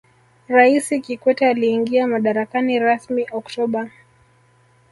raisi kikwete aliingia madarakani rasmi oktoba